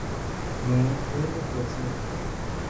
Nur unu procento!